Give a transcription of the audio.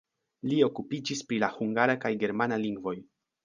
Li okupiĝis pri la hungara kaj germana lingvoj.